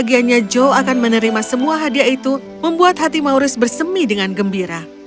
bahagianya joe akan menerima semua hadiah itu membuat hati mauris bersemi dengan gembira